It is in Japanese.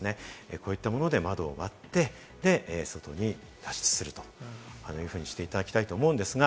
こういったもので窓を割って、外に脱出するというふうにしていただきたいと思います。